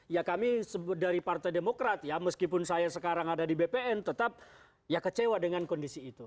ya kami dari partai demokrat ya meskipun saya sekarang ada di bpn tetap ya kecewa dengan kondisi itu